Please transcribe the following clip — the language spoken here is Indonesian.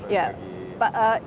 baik terima kasih